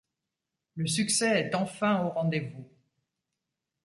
Le succès est enfin au rendez-vous.